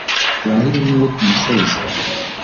wahire n’ubwo ku misozi